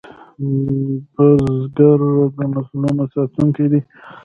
بزګر د نسلونو ساتونکی دی